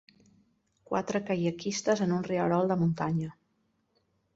Quatre caiaquistes en un rierol de muntanya.